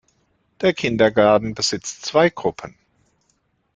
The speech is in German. Der Kindergarten besitzt zwei Gruppen.